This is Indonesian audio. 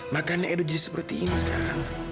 makanya edo jadi seperti ini sekarang